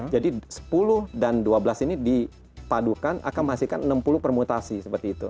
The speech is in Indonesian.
jadi sepuluh dan dua belas ini dipadukan akan menghasilkan enam puluh permutasi seperti itu